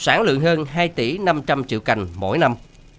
sản lượng hơn hai tỷ năm trăm linh triệu cành mỗi năm